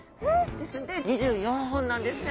ですので２４本なんですね。